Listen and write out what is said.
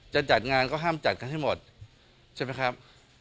จะจัดงานก็ห้ามจัดกันให้หมดใช่ไหมครับ